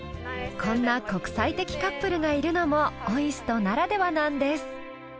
こんな国際的カップルがいるのもＯＩＳＴならではなんです。